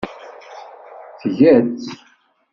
Tga-tt.